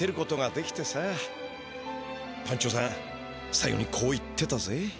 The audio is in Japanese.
さいごにこう言ってたぜ。